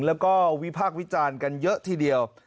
แล้วก็วิพากษ์วิจารณ์กันเยอะทีเดียว